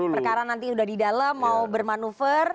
perkara nanti sudah di dalam mau bermanuver